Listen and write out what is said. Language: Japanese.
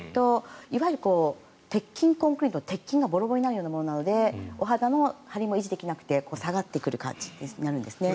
いわゆる鉄筋コンクリートの鉄筋がボロボロになるようなものなのでお肌の張りが維持できなくて下がってくる感じになるんですね。